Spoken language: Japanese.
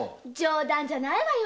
冗談じゃないわよ。